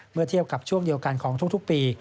เมื่อเทียบกับช่วงเดียวกันของทุกปี